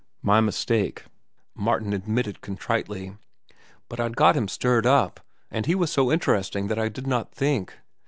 "My mistake," Martin admitted contritely. "But I'd got him stirred up, and he was so interesting that I did not think.